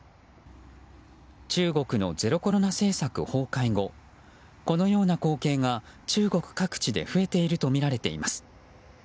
中国のゼロコロナ政策崩壊後このような光景が中国各地で増えているとみられています。